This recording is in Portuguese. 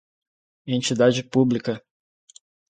entidade pública